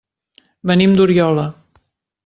Venim d'Oriola.